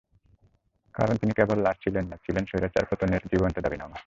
কারণ, তিনি কেবল লাশ ছিলেন না, ছিলেন স্বৈরাচার পতনের জীবন্ত দাবিনামা।